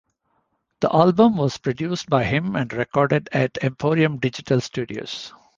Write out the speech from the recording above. The album was produced by him and recorded at Emporium Digital Studios.